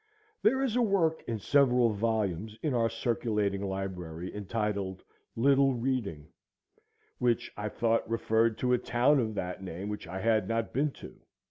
There is a work in several volumes in our Circulating Library entitled Little Reading, which I thought referred to a town of that name which I had not been to.